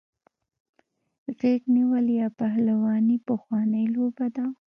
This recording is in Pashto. غیږ نیول یا پهلواني پخوانۍ لوبه ده.